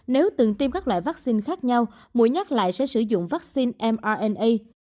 nếu từng tiêm các loại vaccine khác nhau mỗi nhắc lại sẽ sử dụng vaccine mrna